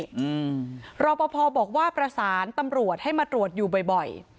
อืมรอปภบอกว่าประสานตำรวจให้มาตรวจอยู่บ่อยบ่อย